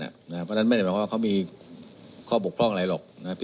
เพราะฉะนั้นไม่ได้หมายความว่าเขามีข้อบกพร่องอะไรหรอก